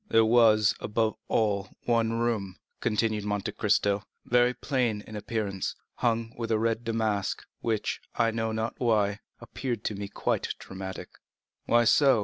"There was, above all, one room," continued Monte Cristo, "very plain in appearance, hung with red damask, which, I know not why, appeared to me quite dramatic." "Why so?"